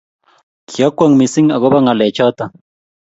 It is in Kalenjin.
Kyakwong missing agoba ngalechoto